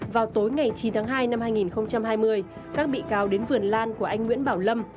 vào tối ngày chín tháng hai năm hai nghìn hai mươi các bị cáo đến vườn lan của anh nguyễn bảo lâm